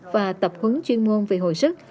và tập hứng chuyên môn về hồi sức